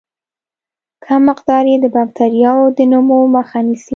کم مقدار یې د باکتریاوو د نمو مخه نیسي.